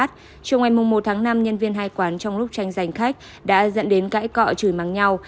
chiều ngày một tháng năm nhân viên hai quán trong lúc tranh giành khách đã dẫn đến cãi cọ chửi mắng nhau